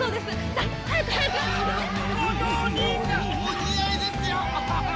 お似合いですよ！